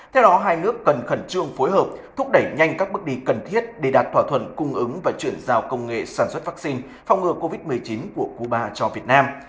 theo đó hai nước cần khẩn trương phối hợp thúc đẩy nhanh các bước đi cần thiết để đạt thỏa thuận cung ứng và chuyển giao công nghệ sản xuất vaccine phòng ngừa covid một mươi chín của cuba cho việt nam